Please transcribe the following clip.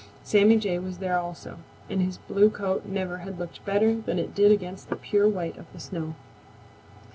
Sammy Jay was there also, and his blue coat never had looked better than it did against the pure white of the snow.